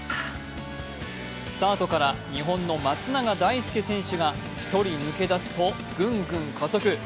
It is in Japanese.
スタートから日本の松永大介選手が１人抜け出すとぐんぐん加速。